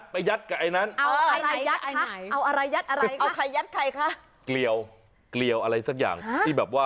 ไปยัดกับไอันนั้น